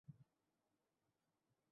তারা পশুর চেয়ে অধম!